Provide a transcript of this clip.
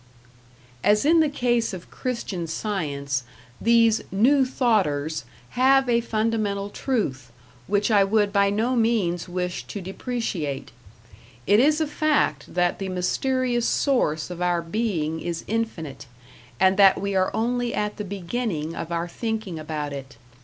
As in the case of Christian Science, these New Thoughters have a fundamental truth, which I would by no means wish to depreciate. It is a fact that the mysterious Source of our being is infinite, and that we are only at the beginning of our thinking about it.